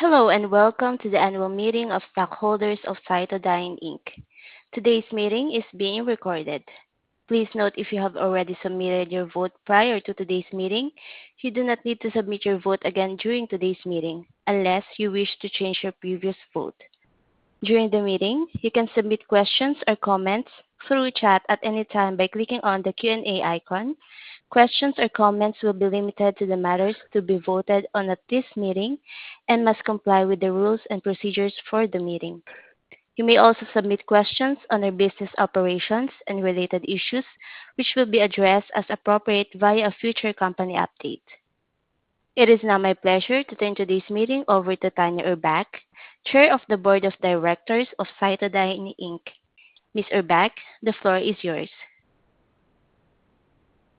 Hello and welcome to the annual meeting of stockholders of CytoDyn Inc. Today's meeting is being recorded. Please note if you have already submitted your vote prior to today's meeting, you do not need to submit your vote again during today's meeting unless you wish to change your previous vote. During the meeting, you can submit questions or comments through chat at any time by clicking on the Q&A icon. Questions or comments will be limited to the matters to be voted on at this meeting and must comply with the rules and procedures for the meeting. You may also submit questions on our business operations and related issues, which will be addressed as appropriate via a future company update. It is now my pleasure to turn today's meeting over to Tanya Urbach, Chair of the Board of Directors of CytoDyn Inc. Ms. Urbach, the floor is yours.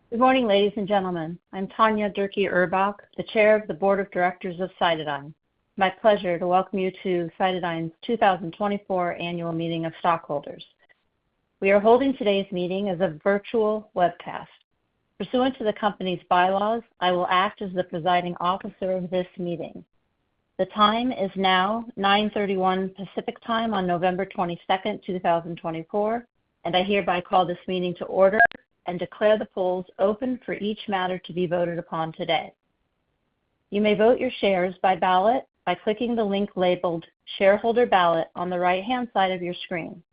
Good morning, ladies and gentlemen. I'm Tanya Durkee Urbach, the Chair of the Board of Directors of CytoDyn. It's my pleasure to welcome you to CytoDyn's 2024 annual meeting of stockholders. We are holding today's meeting as a virtual webcast. Pursuant to the company's bylaws, I will act as the presiding officer of this meeting. The time is now 9:31 A.M. Pacific Time on November 22nd, 2024, and I hereby call this meeting to order and declare the polls open for each matter to be voted upon today. You may vote your shares by ballot by clicking the link labeled "Shareholder Ballot" on the right-hand side of your screen.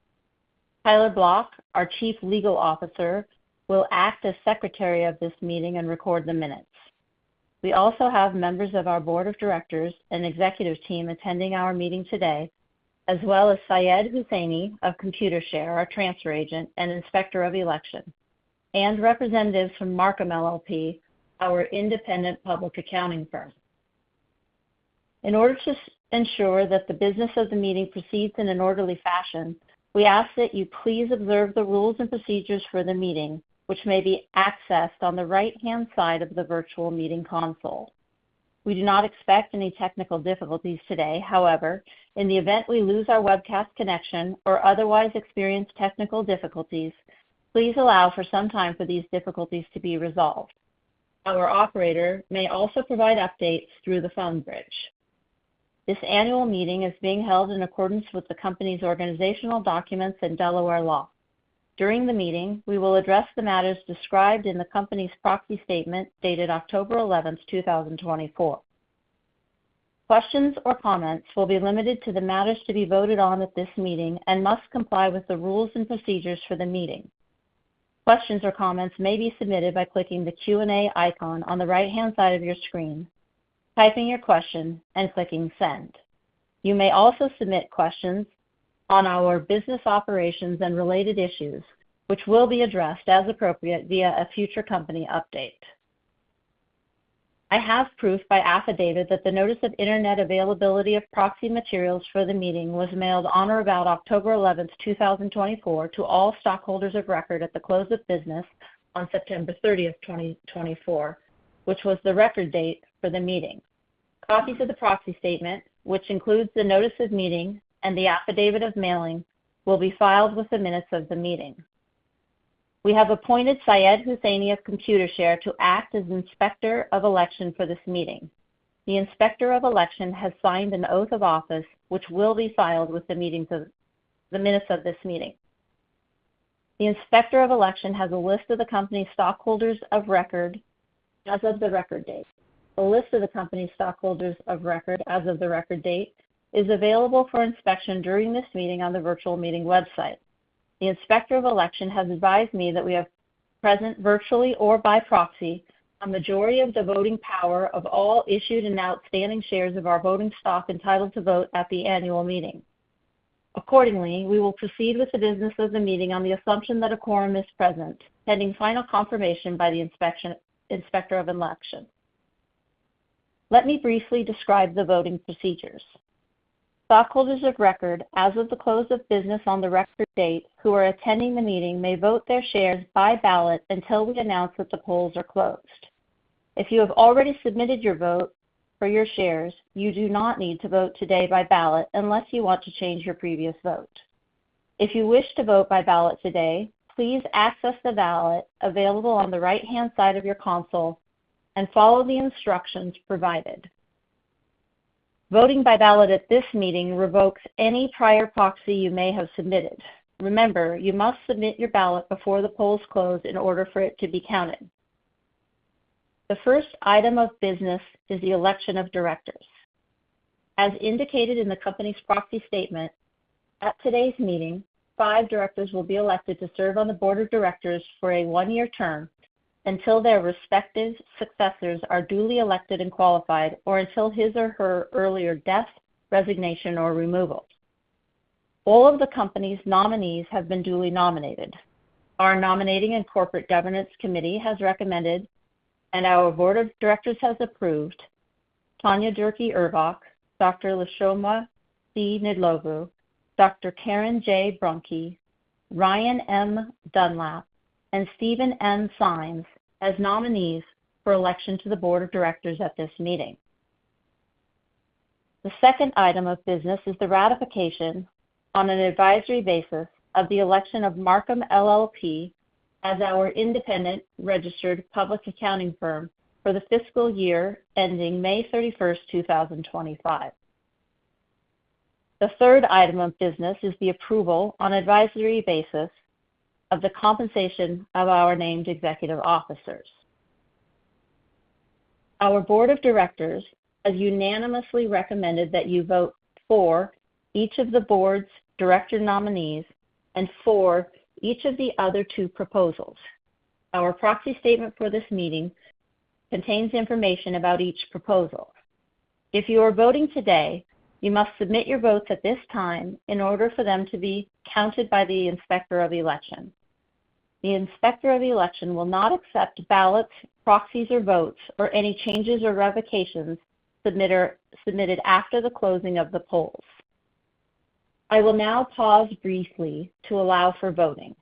Tyler Blok, our Chief Legal Officer, will act as Secretary of this meeting and record the minutes. We also have members of our Board of Directors and executive team attending our meeting today, as well as Syed Husseini of Computershare, our transfer agent and inspector of election, and representatives from Marcum LLP, our independent public accounting firm. In order to ensure that the business of the meeting proceeds in an orderly fashion, we ask that you please observe the rules and procedures for the meeting, which may be accessed on the right-hand side of the virtual meeting console. We do not expect any technical difficulties today. However, in the event we lose our webcast connection or otherwise experience technical difficulties, please allow for some time for these difficulties to be resolved. Our operator may also provide updates through the phone bridge. This annual meeting is being held in accordance with the company's organizational documents and Delaware law. During the meeting, we will address the matters described in the company's proxy statement dated October 11th, 2024. Questions or comments will be limited to the matters to be voted on at this meeting and must comply with the rules and procedures for the meeting. Questions or comments may be submitted by clicking the Q&A icon on the right-hand side of your screen, typing your question, and clicking "Send." You may also submit questions on our business operations and related issues, which will be addressed as appropriate via a future company update. I have proof by affidavit that the notice of internet availability of proxy materials for the meeting was mailed on or about October 11th, 2024, to all stakeholders of record at the close of business on September 30th, 2024, which was the record date for the meeting. Copies of the proxy statement, which includes the notice of meeting and the affidavit of mailing, will be filed with the minutes of the meeting. We have appointed Syed Husseini of Computershare to act as inspector of election for this meeting. The inspector of election has signed an oath of office, which will be filed with the minutes of this meeting. The inspector of election has a list of the company's stockholders of record as of the record date. The list of the company's stockholders of record as of the record date is available for inspection during this meeting on the virtual meeting website. The inspector of election has advised me that we have present virtually or by proxy a majority of the voting power of all issued and outstanding shares of our voting stock entitled to vote at the annual meeting. Accordingly, we will proceed with the business of the meeting on the assumption that a quorum is present, pending final confirmation by the inspector of election. Let me briefly describe the voting procedures. Stockholders of record as of the close of business on the record date who are attending the meeting may vote their shares by ballot until we announce that the polls are closed. If you have already submitted your vote for your shares, you do not need to vote today by ballot unless you want to change your previous vote. If you wish to vote by ballot today, please access the ballot available on the right-hand side of your console and follow the instructions provided. Voting by ballot at this meeting revokes any prior proxy you may have submitted. Remember, you must submit your ballot before the polls close in order for it to be counted. The first item of business is the election of directors. As indicated in the company's proxy statement, at today's meeting, five directors will be elected to serve on the board of directors for a one-year term until their respective successors are duly elected and qualified or until his or her earlier death, resignation, or removal. All of the company's nominees have been duly nominated. Our Nominating and Corporate Governance Committee has recommended, and our Board of Directors has approved, Tanya Durkee Urbach, Dr. Lishomwa C. Ndhlovu, Dr. Karen J. Brunke, Ryan M. Dunlap, and Stephen M. Simes as nominees for election to the board of directors at this meeting. The second item of business is the ratification on an advisory basis of the election of Marcum LLP as our independent registered public accounting firm for the fiscal year ending May 31st, 2025. The third item of business is the approval on advisory basis of the compensation of our named executive officers. Our Board of Directors has unanimously recommended that you vote for each of the board's director nominees and for each of the other two proposals. Our proxy statement for this meeting contains information about each proposal. If you are voting today, you must submit your votes at this time in order for them to be counted by the inspector of election. The inspector of election will not accept ballots, proxies, or votes, or any changes or revocations submitted after the closing of the polls. I will now pause briefly to allow for voting.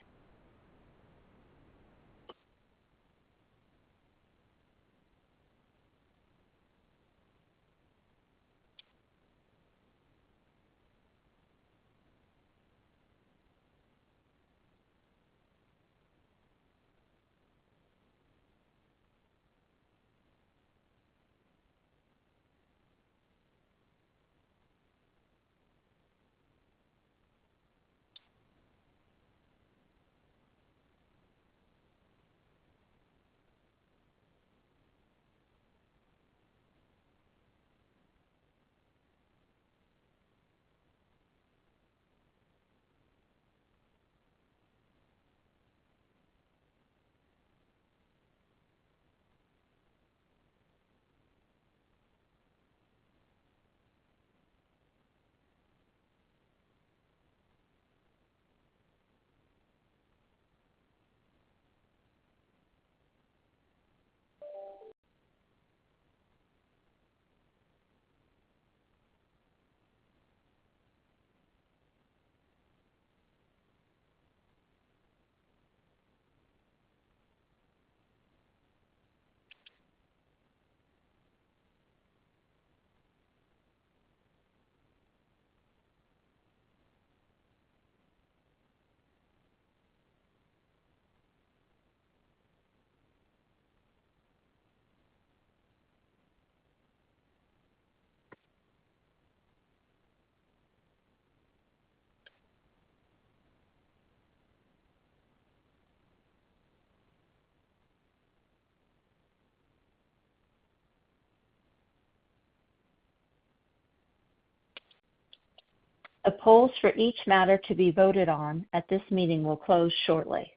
The polls for each matter to be voted on at this meeting will close shortly.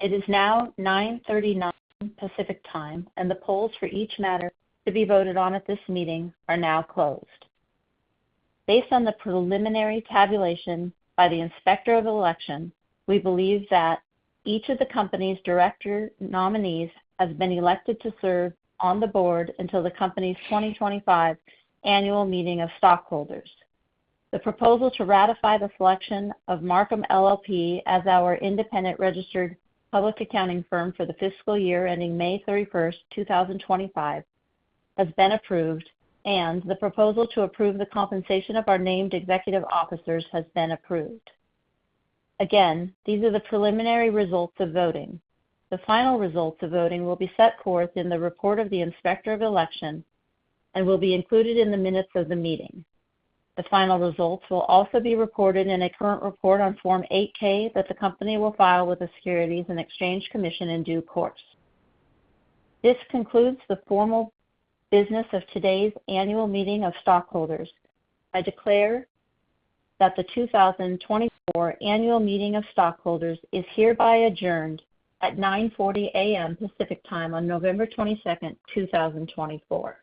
It is now 9:39 A.M. Pacific Time, and the polls for each matter to be voted on at this meeting are now closed. Based on the preliminary tabulation by the inspector of election, we believe that each of the company's director nominees has been elected to serve on the board until the company's 2025 annual meeting of stockholders. The proposal to ratify the selection of Marcum LLP as our independent registered public accounting firm for the fiscal year ending May 31st, 2025, has been approved, and the proposal to approve the compensation of our named executive officers has been approved. Again, these are the preliminary results of voting. The final results of voting will be set forth in the report of the inspector of election and will be included in the minutes of the meeting. The final results will also be reported in a current report on Form 8-K that the company will file with the Securities and Exchange Commission in due course. This concludes the formal business of today's annual meeting of stockholders. I declare that the 2024 annual meeting of stockholders is hereby adjourned at 9:40 A.M. Pacific Time on November 22nd, 2024.